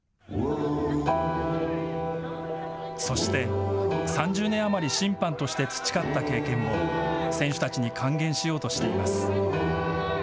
そして、３０年あまり審判として培った経験も選手たちに還元しようとしています。